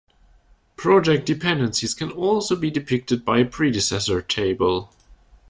Project dependencies can also be depicted by a predecessor table.